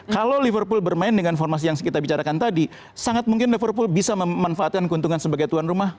kalau liverpool bermain dengan formasi yang kita bicarakan tadi sangat mungkin liverpool bisa memanfaatkan keuntungan sebagai tuan rumah